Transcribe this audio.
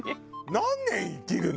何年生きるの？